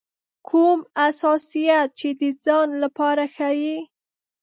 کوم حساسیت چې د ځان لپاره ښيي.